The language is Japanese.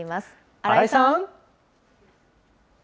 新井さん。